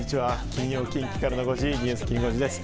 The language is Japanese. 金曜、近畿からの５時、ニュースきん５時です。